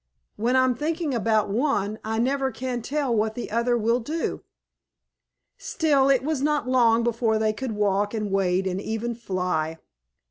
When I'm thinking about one, I never can tell what the other will do." Still, it was not long before they could walk and wade and even fly.